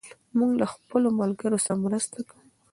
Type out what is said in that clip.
موږ له خپلو ملګرو سره مرسته کوو.